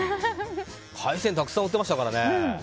海鮮、たくさん売ってましたからね。